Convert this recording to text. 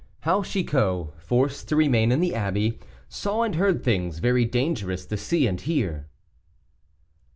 HOW CHICOT, FORCED TO REMAIN IN THE ABBEY, SAW AND HEARD THINGS VERY DANGEROUS TO SEE AND HEAR.